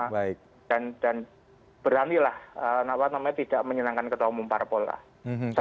dan beranilah tidak menyenangkan ketahuan umum para pola